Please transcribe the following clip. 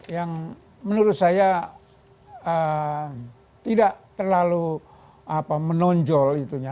yang menurut saya tidak terlalu menonjol itunya